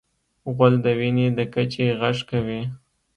غول د وینې د کچې غږ کوي.